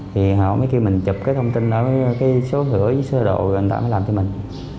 thì họ mới kêu mình chụp cái thông tin ở cái số thử với số độ rồi anh ta mới làm cho mình